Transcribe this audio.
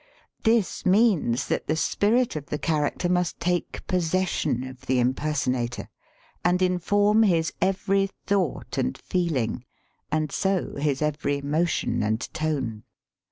This means that the spirit of the character must take posses sion of the impersonator, and inform his every thought and feeling and so his every mo tion and tone.